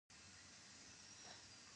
ایا زه باید ماشوم ته چای ورکړم؟